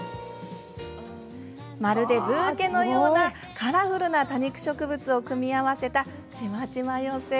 まるで、ブーケのようなカラフルな多肉植物を組み合わせた「ちまちま寄せ」